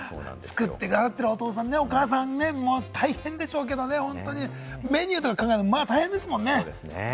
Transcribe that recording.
作ってるお父さん・お母さん、大変でしょうけれども、メニューとか考えるの大変ですもんね。